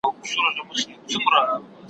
یوه سوی وه راوتلې له خپل غاره